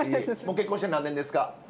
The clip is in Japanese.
結婚して何年ですか？